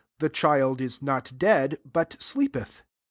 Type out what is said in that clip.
the child is not dead, but sleepeth."